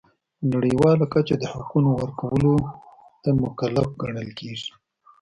په نړیواله کچه د حقونو ورکولو ته مکلف ګڼل کیږي.